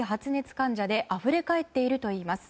患者であふれかえっているといいます。